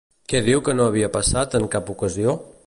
Què diu que no havia passat en cap ocasió?